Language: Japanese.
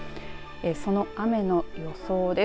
その雨の予想です。